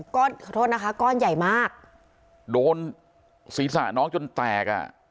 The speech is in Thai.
ขอโทษนะคะก้อนใหญ่มากโดนศีรษะน้องจนแตกอ่ะ